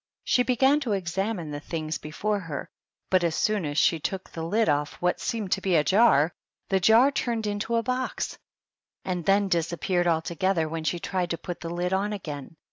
She began to examine the things before her, but as soon as she took the Ud off what seemed to be a jar, the jar turned into a box, and then disappeared alto gether when she tried to put the lid on again.